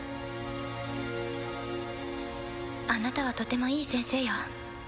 あなたはとてもいい先生よ